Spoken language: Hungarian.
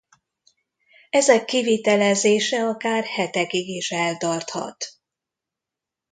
Ezek kivitelezése akár hetekig is eltarthat.